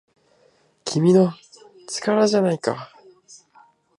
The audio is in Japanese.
「君の！力じゃないか!!」